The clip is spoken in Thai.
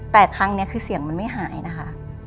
แต่ครั้งนี้คือเสียงมันไม่หายนะคะ